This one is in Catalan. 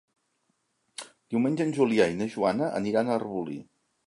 Diumenge en Julià i na Joana aniran a Arbolí.